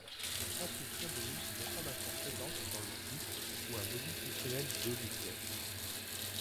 Chacune symbolise une information présente dans le site ou un module fonctionnel du logiciel.